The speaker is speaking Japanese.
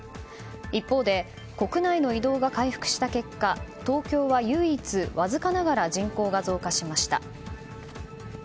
一方で国内の移動が回復した結果東京は唯一わずかながら人口が増加しました。